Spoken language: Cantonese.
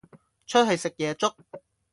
出去食夜粥？